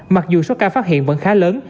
mặc dù số ca phát hiện vẫn khá lớn